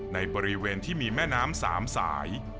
ในบริเวณที่มีแม่น้ำ๓สาย